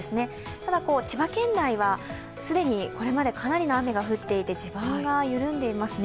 ただ千葉県内は既にこれまでかなりの雨が降っていて地盤が緩んでいますね。